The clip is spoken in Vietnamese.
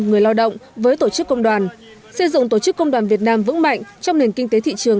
người lao động với tổ chức công đoàn xây dựng tổ chức công đoàn việt nam vững mạnh trong nền kinh tế thị trường